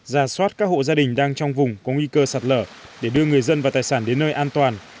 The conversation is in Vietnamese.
ra soát các hộ gia đình đang trong vùng có nguy cơ sạt lở để đưa người dân và tài sản đến nơi an toàn